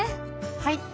はい。